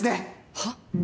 はっ？